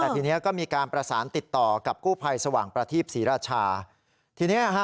แต่ทีนี้ก็มีการประสานติดต่อกับกู้ภัยสว่างประทีปศรีราชาทีเนี้ยฮะ